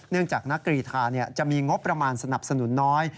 จากนักกรีธาจะมีงบประมาณสนับสนุนน้อย